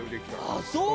あっそう？